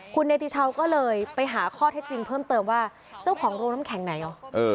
คุณเนติชาวก็เลยไปหาข้อเท็จจริงเพิ่มเติมว่าเจ้าของโรงน้ำแข็งไหนหรอ